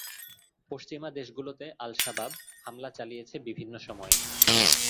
পশ্চিমা দেশগুলোতে আল-শাবাব হামলা চালিয়েছে বিভিন্ন সময়ে।